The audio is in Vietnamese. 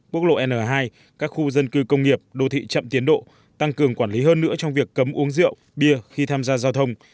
quốc lộ n hai các khu dân cư công nghiệp đô thị chậm tiến độ tăng cường quản lý hơn nữa trong việc cấm uống rượu bia khi tham gia giao thông